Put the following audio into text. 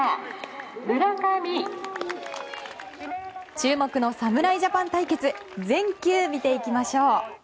注目の侍ジャパン対決全球見ていきましょう。